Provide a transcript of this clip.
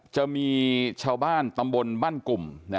จะมีชาวบ้านตำบลบ้านกลุ่ม